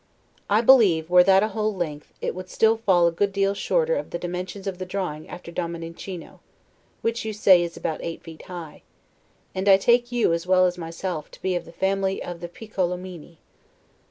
I believe, were that a whole length, it would still fall a good deal short of the dimensions of the drawing after Dominichino, which you say is about eight feet high; and I take you, as well as myself, to be of the family of the Piccolomini.